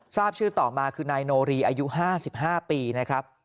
ทราบชื่อต่อมาคือนายโนรีอายุ๕๕ปีนะครับ